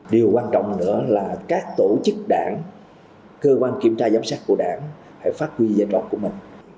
điều quan trọng nữa là các tổ chức đảng cơ quan kiểm tra giám sát của đảng phải phát huy giai đoạn của mình